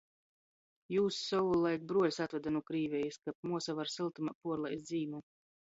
Jūs sovulaik bruoļs atvede nu Krīvejis, kab muosa var syltumā puorlaist zīmu.